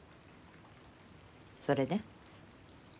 それで？